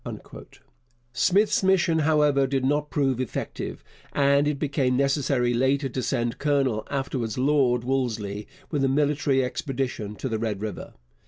Smith's mission, however, did not prove effective, and it became necessary later to send Colonel (afterwards Lord) Wolseley with a military expedition to the Red River.